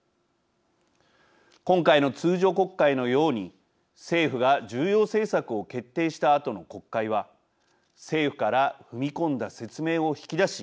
今回の通常国会のように政府が重要政策を決定したあとの国会は政府から踏み込んだ説明を引き出し